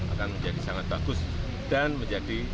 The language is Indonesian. akan menjadi sangat bagus dan menjadi